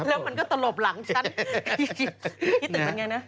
และมันก็ตลบหลังฉัน